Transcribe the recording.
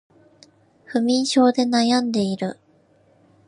不眠症で悩んでいる